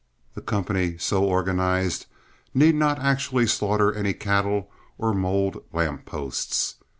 The company so organized need not actually slaughter any cattle or mold lamp posts.